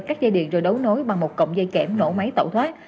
cắt dây điện rồi đấu nối bằng một cọng dây kẽm nổ máy tẩu thoát